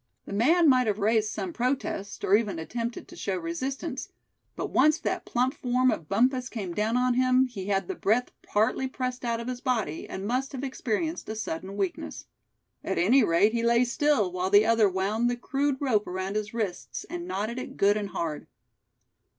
The man might have raised some protest, or even attempted to show resistance; but once that plump form of Bumpus came down on him he had the breath partly pressed out of his body, and must have experienced a sudden weakness. At any rate, he lay still, while the other wound the crude rope around his wrists, and knotted it good and hard.